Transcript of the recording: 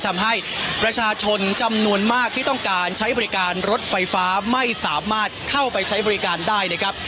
ทำให้ประชาชนจำนวนมากที่ต้องการใช้บริการรถไฟฟ้าไม่สามารถเข้าไปใช้บริการได้นะครับ